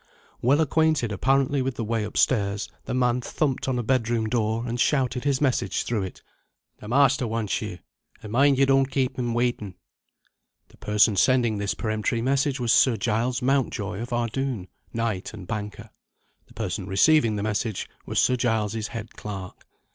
Well acquainted apparently with the way upstairs, the man thumped on a bed room door, and shouted his message through it: "The master wants you, and mind you don't keep him waiting." The person sending this peremptory message was Sir Giles Mountjoy of Ardoon, knight and banker. The person receiving the message was Sir Giles's head clerk.